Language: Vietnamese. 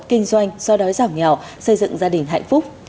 kinh doanh do đói giảm nghèo xây dựng gia đình hạnh phúc